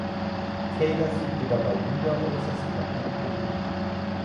Taylor siegte dabei wieder äußerst knapp nach Punkten.